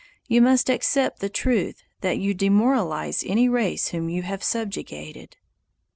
You must accept the truth that you demoralize any race whom you have subjugated.